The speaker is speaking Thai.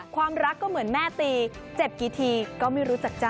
ความรักก็เหมือนแม่ตีเจ็บกี่ทีก็ไม่รู้จักจ้